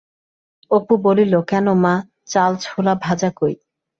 অপু বলিল, কেন মা, চাল-ছোলা ভাজা কই?